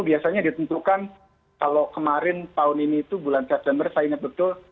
biasanya ditentukan kalau kemarin tahun ini itu bulan september saya ingat betul